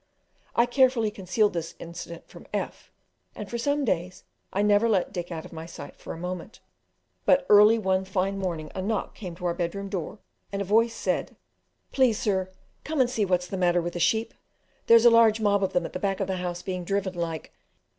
I carefully concealed this incident from F , and for some days I never let Dick out of my sight for a moment; but early one fine morning a knock came to our bed room door, and a voice said, "Please, sir, come and see what's the matter with the sheep? there's a large mob of them at the back of the house being driven, like."